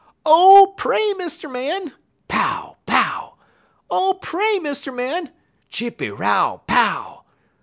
_ 'Oh, pray, Mr. Man!' Pow, pow! 'Oh, pray, Mr. Man!' _Chippy row, pow!